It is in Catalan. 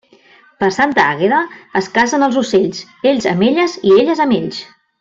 Per Santa Àgueda es casen els ocells, ells amb elles i elles amb ells.